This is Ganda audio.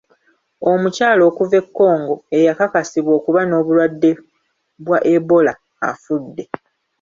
Omukyala okuva e Congo eyakakasibwa okuba n'obulwadde bwa Ebola afudde.